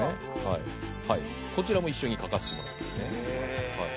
こちらも一緒に書かせてもらいますね。